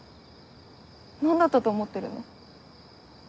何だったと思ってるの？